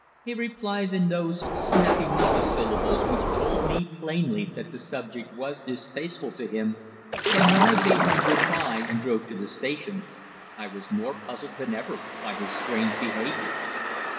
He replied in those snappy monosyllables which told me plainly that the subject was distasteful to him, and when I bade him good bye and drove to the station I was more puzzled than ever by his strange behaviour.